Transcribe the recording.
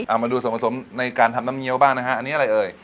เอามาดูส่วนผสมในการทำน้ำเงี้ยวบ้างนะฮะอันนี้อะไรเอ่ย